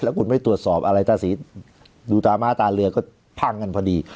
คุณไม่ตรวจสอบอะไรตาสีดูตาม้าตาเรือก็พังกันพอดี